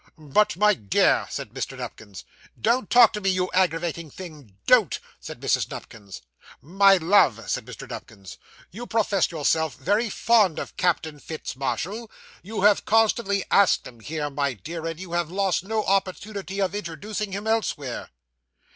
'But, my dear,' said Mr. Nupkins. 'Don't talk to me, you aggravating thing, don't!' said Mrs. Nupkins. 'My love,' said Mr. Nupkins, 'you professed yourself very fond of Captain Fitz Marshall. You have constantly asked him here, my dear, and you have lost no opportunity of introducing him elsewhere.